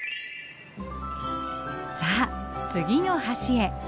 さあ次の橋へ。